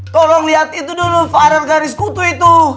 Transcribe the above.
tolong lihat itu dulu farel garis kutu itu